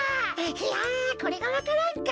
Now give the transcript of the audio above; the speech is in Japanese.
いやこれがわか蘭か。